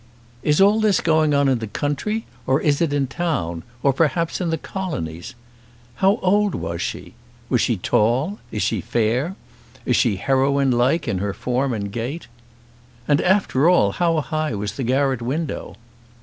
"Is all this going on in the country, or is it in town, or perhaps in the Colonies? How old was she? Was she tall? Is she fair? Is she heroine like in her form and gait? And, after all, how high was the garret window?"